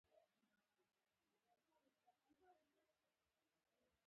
د دیني څېړنو ترتیبول په اصلي کارونو کې وي.